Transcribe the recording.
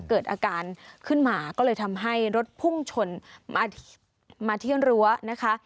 เกิดอาการขึ้นมาก็เลยทำให้รถพุ่งชนมาเที่ยงรั้วนะคะ